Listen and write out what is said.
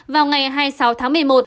vào ngày hai mươi sáu tháng một mươi một